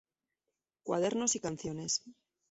Cuadernos y canciones".